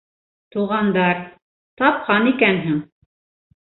- Туғандар... тапҡан икәнһең...